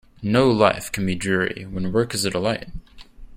No life can be dreary when work is a delight.